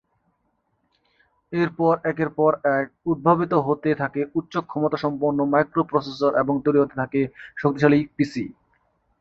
এর পর একের পর এক উদ্ভাবিত হতে থাকে উচ্চ ক্ষমতাসম্পন্ন মাইক্রোপ্রসেসর এবং তৈরি হতে থাকে শক্তিশালী পিসি।